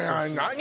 何？